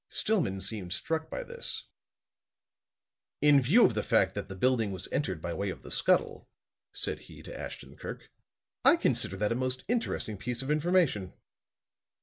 Stillman seemed struck by this. "In view of the fact that the building was entered by way of the scuttle," said he to Ashton Kirk, "I consider that a most interesting piece of information."